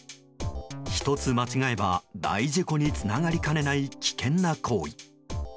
１つ間違えば大事故につながりかねない危険な行為。